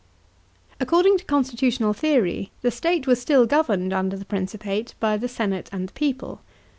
§ 3. According to constitutional theory, the state was still governed under the Piincipate by the senate and the people.